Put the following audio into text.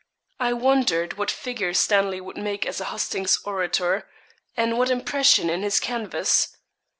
I wondered what figure Stanley would make as a hustings orator, and what impression in his canvass.